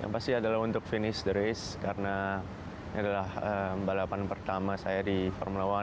yang pasti adalah untuk finish the race karena ini adalah balapan pertama saya di formula one